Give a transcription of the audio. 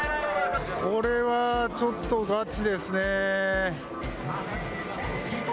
これはちょっとガチですね。